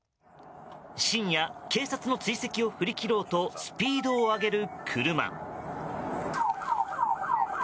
深夜、警察の追跡を振り切ろうとスピードを上げる車。